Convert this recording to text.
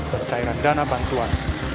dan cairan dana bantuan